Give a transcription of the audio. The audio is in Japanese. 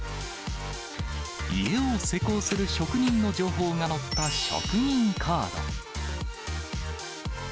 家を施工する職人の情報が載った職人カード。